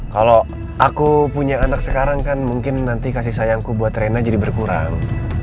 kalau aku punya anak sekarang kan mungkin nanti kasih sayangku buat rena jadi berkurang